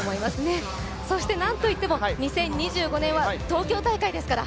そして何といっても、２０２５年は東京大会ですから。